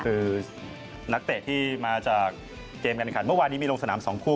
คือนักเตะที่มาจากเกมการขันเมื่อวานนี้มีลงสนาม๒คู่